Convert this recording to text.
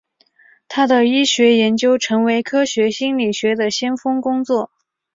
他的医学研究成为科学心理学的先锋工作。